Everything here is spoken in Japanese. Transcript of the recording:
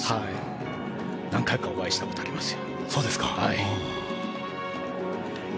何回かお会いしたことありますよ。